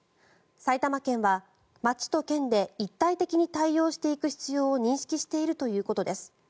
埼玉県は町と県で一体的に対応していく必要を認識しているということです。